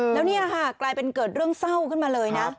แล้วนี่ค่ะกลายเป็นเกิดเรื่องเศร้าขึ้นมาเลยนะ